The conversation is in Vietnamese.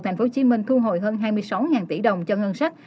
thành phố hồ chí minh thu hồi hơn hai mươi sáu ngàn tỷ đồng cho ngân sách